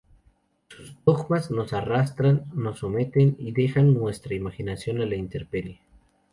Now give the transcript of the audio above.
Sus dogmas nos arrasan, nos someten y dejan nuestra imaginación a la intemperie.